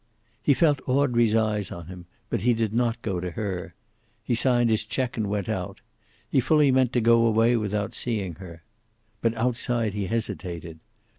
He felt Audrey's eyes on him, but he did not go to her. He signed his check, and went out. He fully meant to go away without seeing her. But outside he hesitated.